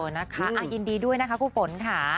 ยินดีด้วยนะคะครูฝน